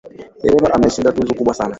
Dereva ameshinda tuzo kubwa sana